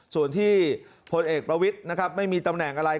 ส่วนที่พลเอกประวิทย์นะครับไม่มีตำแหน่งอะไร